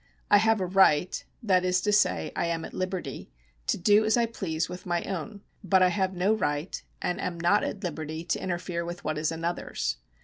I have a right (that is to say, I am at liberty) to do as I please with my own ; but I have no right and am not at liberty to interfere with what is another's.